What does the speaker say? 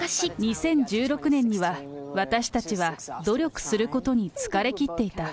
２０１６年には私たちは努力することに疲れきっていた。